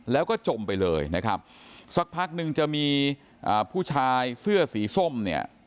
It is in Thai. แล้วก็จมไปเลยนะครับสักพักนึงจะมีอ่าผู้ชายเสื้อสีส้มเนี่ย